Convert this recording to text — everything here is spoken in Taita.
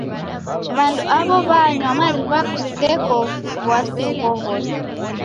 W'andu aw'o w'anywa mariw'a kuseko w'asi ughoghose.